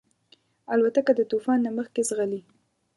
الوتکه د طوفان نه مخکې ځغلي.